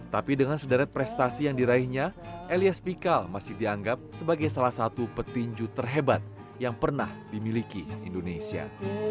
tapi dengan sederet prestasi yang diraihnya elias pikal masih dianggap sebagai salah satu petinju terhebat yang pernah dimiliki indonesia